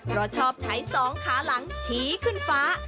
เพราะชอบใช้สองขาหลังชี้ขึ้นฟ้า